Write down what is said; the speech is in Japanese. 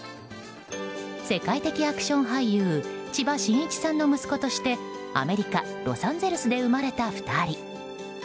世界的アクション俳優千葉真一さんの息子としてアメリカ・ロサンゼルスで生まれた２人。